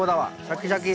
シャキシャキ。